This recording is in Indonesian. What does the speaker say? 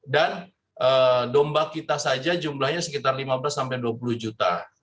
dan domba kita saja jumlahnya sekitar lima belas dua puluh juta